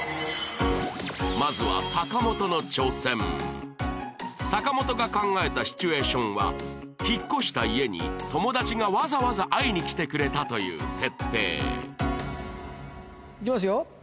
まずは坂本が考えたシチュエーションは引っ越した家に友達がわざわざ会いに来てくれたという設定いきますよ